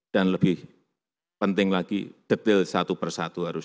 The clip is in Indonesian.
dan lebih penting lagi detail satu persatu harus